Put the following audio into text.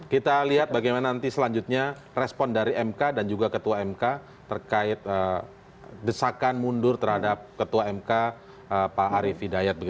kita lihat bagaimana nanti selanjutnya respon dari mk dan juga ketua mk terkait desakan mundur terhadap ketua mk pak arief hidayat